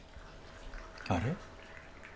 あれ？